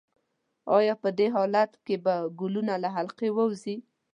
ایا په دې حالت کې به ګلوله له حلقې ووځي؟